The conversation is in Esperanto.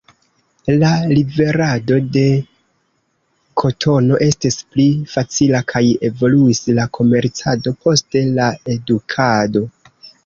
La liverado de kotono estis pli facila kaj evoluis la komercado, poste la edukado.